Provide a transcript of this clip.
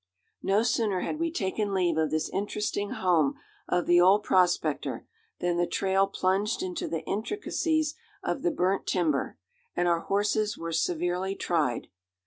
No sooner had we taken leave of this interesting home of the old prospector, than the trail plunged into the intricacies of the burnt timber, and our horses were severely tried.